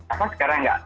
apa sekarang tidak